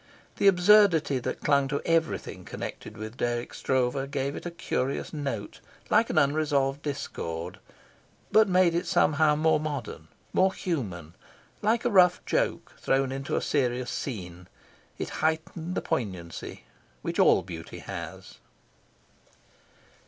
The absurdity that clung to everything connected with Dirk Stroeve gave it a curious note, like an unresolved discord, but made it somehow more modern, more human; like a rough joke thrown into a serious scene, it heightened the poignancy which all beauty has.